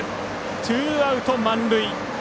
ツーアウト、満塁。